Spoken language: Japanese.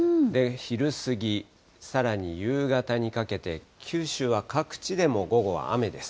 昼過ぎ、さらに夕方にかけて、九州は各地でもう午後は雨です。